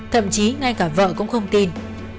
thậm chí ngay cả vợ cũng không tin